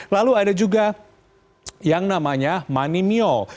lalu ada juga yang namanya money mual